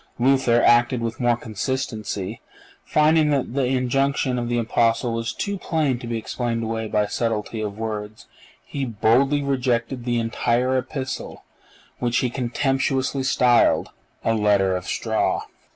Luther acted with more consistency. Finding that the injunction of the Apostle was too plain to be explained away by subtlety of words, he boldly rejected the entire Epistle, which he contemptuously styled "a letter of straw."